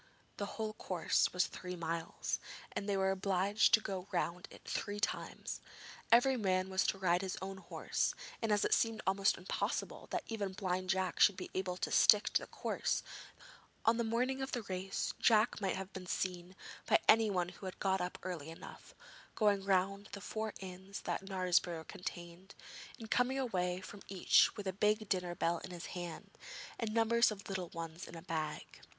The whole course was three miles, and they were obliged to go round it three times. Every man was to ride his own horse, and as it seemed almost impossible that even Blind Jack should be able to stick to the course, the odds were heavy against him. On the morning of the race Jack might have been seen by anyone who had got up early enough, going round to the four inns that Knaresborough contained, and coming away from each with a big dinner bell in his hand, and numbers of little ones in a bag.